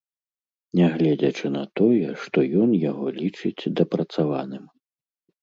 Нягледзячы на тое, што ён яго лічыць дапрацаваным.